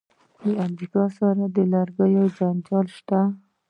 د امریکا سره د لرګیو جنجال شته.